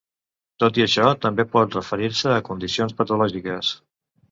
Tot i això, també pot referir-se a condicions patològiques.